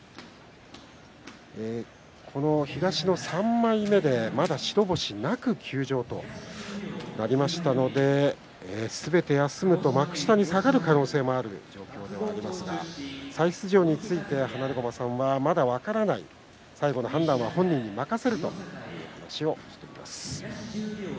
この東の３枚目でまだ白星なく休場となりましたのですべて休むと幕下に下がる可能性もある状況ではありますが再出場について放駒さんはまだ分からない最後の判断は本人に任せると話していました。